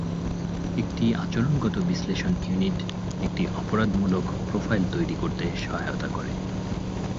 একটি আচরণগত বিশ্লেষণ ইউনিট একটি অপরাধমূলক প্রোফাইল তৈরি করতে সহায়তা করে।